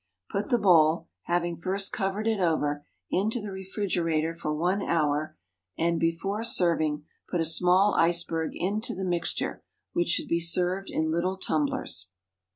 Put the bowl, having first covered it over, into the refrigerator for one hour, and before serving, put a small iceberg into the mixture, which should be served in little tumblers.